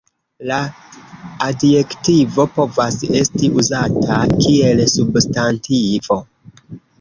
La adjektivo povas esti uzata kiel substantivo.